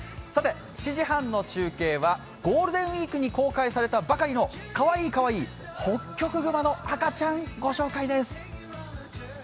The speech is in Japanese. ７時半の中継はゴールデンウイークに公開されたばかりのかわいいかわいいホッキョクグマの赤ちゃんです。